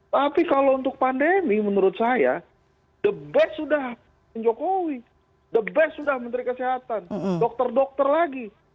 tapi kalau untuk pandemi menurut saya the best sudah jokowi the best sudah menteri kesehatan dokter dokter lagi